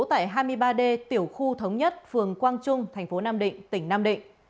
tại hai mươi ba d tiểu khu thống nhất phường quang trung tp nam định tỉnh nam định